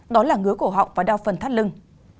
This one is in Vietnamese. đó là ngứa cổ họng và đa phần thắt lưng